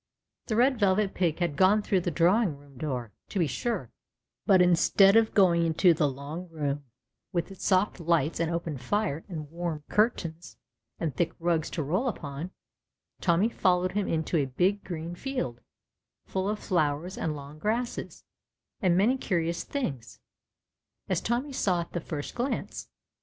The Red Velvet Pig had gone through the drawing room door, to be sure, but instead of going into the long room with its soft lights and open fire and warm curtains and thick rugs to roll upon, Tommy followed him into a big green field, full of flowers and long grasses and many curious things, as Tommy saw at the first glance.